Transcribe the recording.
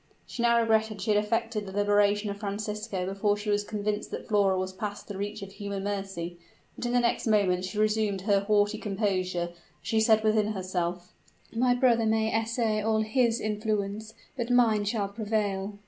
She now regretted she had effected the liberation of Francisco before she was convinced that Flora was past the reach of human mercy; but, in the next moment she resumed her haughty composure, as she said within herself, "My brother may essay all his influence: but mine shall prevail!"